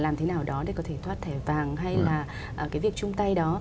làm thế nào đó để có thể thoát thẻ vàng hay là cái việc chung tay đó